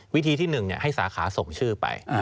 วิธีที่หนึ่งเนี่ยให้สาขาส่งชื่อไป